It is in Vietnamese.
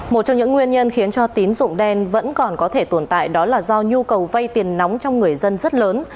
một trong những nguyên nhân khiến cho tín dụng đen vẫn còn có thể tồn tại đó là do nhu cầu vay tiền nóng trong người dân rất lớn